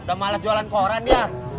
udah malah jualan koran dia